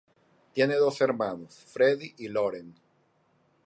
Tiene dos hermanos, Freddy y Lauren.